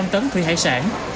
hai trăm linh tấn thủy hải sản